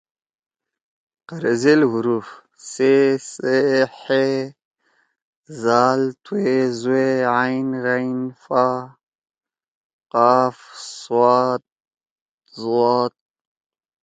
قرضیل حروف: ث، څ، ح، ذ، ط، ظ، ع، غ، ف، ق، ص، ض